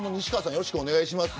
よろしくお願いします。